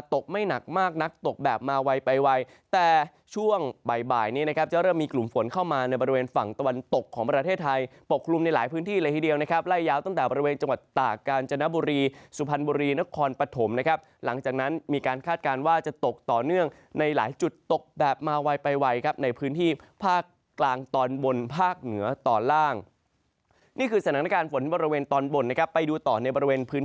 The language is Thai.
ไทยปกคลุมในหลายพื้นที่เลยทีเดียวนะครับไล่ยาวตั้งแต่บริเวณจังหวัดตากกาญจนบุรีสุพรรณบุรีนครปฐมนะครับหลังจากนั้นมีการคาดการณ์ว่าจะตกต่อเนื่องในหลายจุดตกแบบมาไว้ไปไว้ครับในพื้นที่ภาคกลางตอนบนภาคเหนือตอนล่างนี่คือสถานการณ์ฝนบริเวณตอนบนนะครับไปดูต่อในบริเวณพื้